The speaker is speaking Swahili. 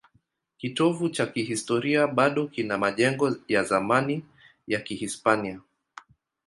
Kitovu cha kihistoria bado kina majengo ya zamani ya Kihispania.